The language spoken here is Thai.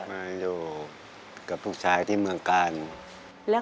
คุณหมอบอกว่าเอาไปพักฟื้นที่บ้านได้แล้ว